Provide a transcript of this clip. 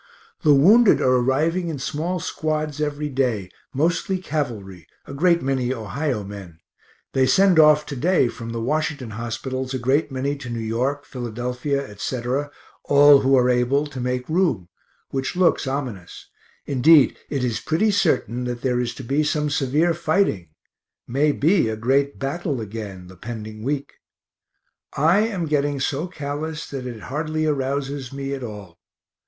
The wounded are arriving in small squads every day, mostly cavalry, a great many Ohio men; they send off to day from the Washington hospitals a great many to New York, Philadelphia, etc., all who are able, to make room, which looks ominous indeed, it is pretty certain that there is to be some severe fighting, may be a great battle again, the pending week. I am getting so callous that it hardly arouses me at all.